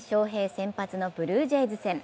先発のブルージェイズ戦。